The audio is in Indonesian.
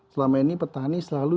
selama ini petani selalu